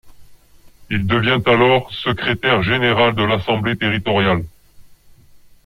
Il devient alors secrétaire général de l'Assemblée territoriale.